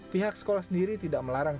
pihak sekolah sendiri tidak melarang